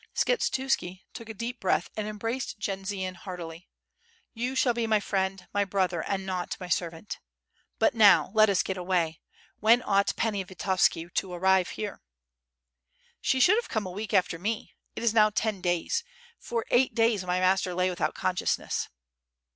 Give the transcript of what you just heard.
Skshetuski took a deep breath and embraced Jendzian heartily. "You shall be my friend, my brother, and not ray servant. But now let us get away. When ought Pani Vitovski to arrive here?'' "She should have come a week after me. ... it is now ten days. ... for eight days my master lay without consciousness.''